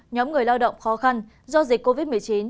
nhóm người lao động khó khăn do dịch covid một mươi chín